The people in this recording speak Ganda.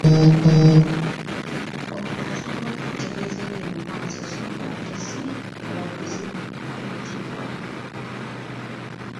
Omuntu asobola okukutegeeza ebiri mu maaso so ng'ate si mulaguzi ayitibwa?